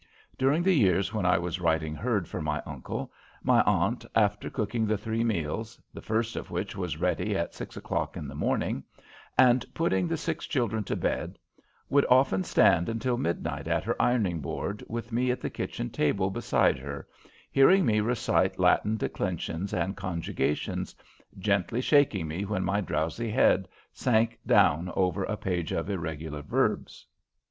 During the years when I was riding herd for my uncle, my aunt, after cooking the three meals the first of which was ready at six o'clock in the morning and putting the six children to bed, would often stand until midnight at her ironing board, with me at the kitchen table beside her, hearing me recite Latin declensions and conjugations, gently shaking me when my drowsy head sank down over a page of irregular verbs.